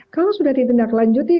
kalau sudah ditindaklanjuti